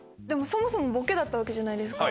そもそもボケだったわけじゃないですか。